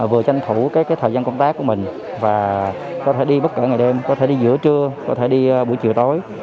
vừa tranh thủ thời gian công tác của mình và có thể đi bất kể ngày đêm có thể đi giữa trưa có thể đi buổi chiều tối